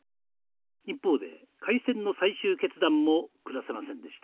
一方で開戦の最終決断も下せませんでした。